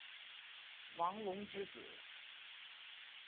王隆之子。